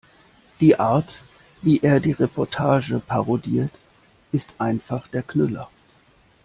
Die Art, wie er die Reportage parodiert, ist einfach der Knüller!